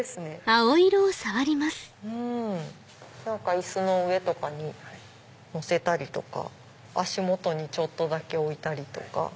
椅子の上とかに乗せたりとか足元にちょっとだけ置いたりとか。